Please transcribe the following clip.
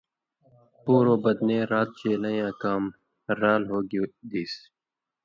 پُوروۡ بدنے رات ڇېلیَیں یاں کام، رال ہو گی دیس،